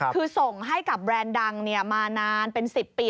คือส่งให้กับแบรนด์ดังมานานเป็น๑๐ปี